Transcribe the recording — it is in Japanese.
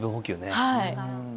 はい